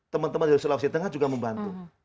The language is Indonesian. teman teman dari selawesi tengah juga membantu